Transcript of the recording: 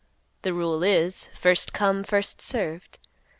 The rule is, first come, first served.